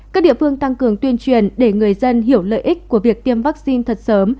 các địa phương tăng cường tuyên truyền để người dân hiểu lợi ích của việc tiêm vaccine thật sớm